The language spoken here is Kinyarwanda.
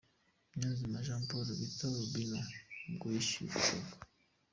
Niyonzima Jean Paul bita Robinho ubwo yishyushyaga .